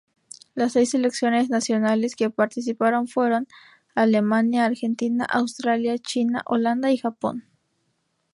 Las seis selecciones nacionales que participaron fueron Alemania, Argentina, Australia, China, Holanda y Japón.